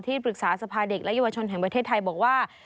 ปรึกษาสภาเด็กและเยาวชนแห่งประเทศไทยบอกว่า